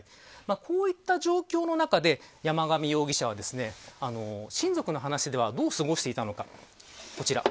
こういった状況の中で山上容疑者は親族の話ではどう過ごしていたのか、こちら。